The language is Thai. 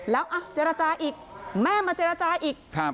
แล้วเจรจาอีกแม่มาเจรจาอีก